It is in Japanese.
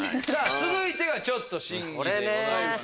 続いてがちょっと審議でございます。